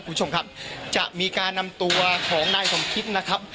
คุณผู้ชมครับจะมีการนำตัวของนายสมคิดนะครับ